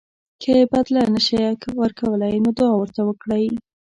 که یې بدله نه شئ ورکولی نو دعا ورته وکړئ.